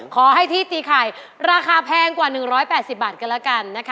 ขอให้ที่ตีไข่ราคาแพงกว่า๑๘๐บาทกันแล้วกันนะคะ